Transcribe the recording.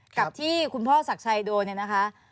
กับที่คุณพ่อศักดิ์ชัยโดนเนี่ยนะคะ